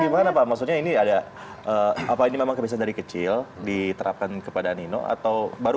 gimana pak maksudnya ini ada apa ini memang kebiasaan dari kecil diterapkan kepada nino atau baru